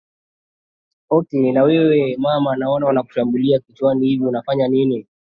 ok na wewe mama naona wanakushambulia kichwani hivi unafanya nini